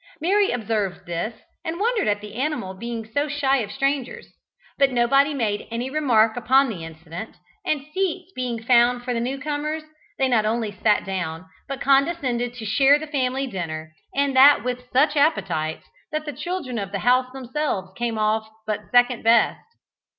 Mary observed this, and wondered at the animal being so shy of strangers; but nobody made any remark upon the incident, and seats being found for the new comers, they not only sat down, but condescended to share the family dinner, and that with such appetites, that the children of the house themselves came off but second best.